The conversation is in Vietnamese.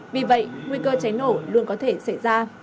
vì vậy nguy cơ cháy nổ luôn có thể xảy ra